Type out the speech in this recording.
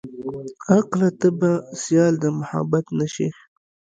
عقله ته به سيال د محبت نه شې.